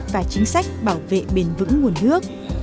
và chính sách bảo vệ bền vững nguồn nước